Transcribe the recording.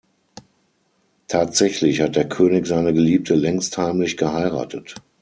Tatsächlich hat der König seine Geliebte längst heimlich geheiratet.